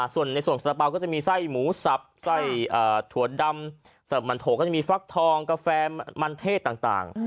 ส่วนในสารเปล่าจะมีไส้หมูซับไส้ถั่วดำไส้มันโถกก็จะมีฟลักษ์ทองกาแฟมันเทศต่าง